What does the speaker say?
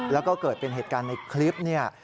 แล้วก็เกิดเป็นเหตุการณ์ในคลิปเนี่ย